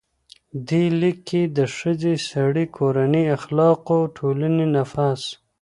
دې لیک کې د ښځې، سړي، کورنۍ، اخلاقو، ټولنې، نفس،